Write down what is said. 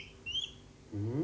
うん？